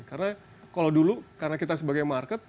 karena kalau dulu karena kita sebagai market